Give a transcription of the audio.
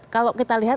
kalau kita lihat